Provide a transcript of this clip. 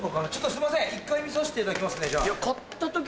すいません一回見させていただきますねじゃあ。